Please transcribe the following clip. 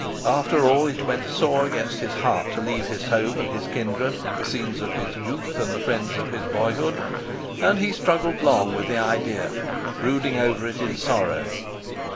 After all, it went sore against his heart to leave his home and his kindred, the scenes of his youth and the friends of his boyhood; and he struggled long with the idea, brooding over it in sorrow.